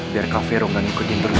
biar kak fero gak ngikutin berdua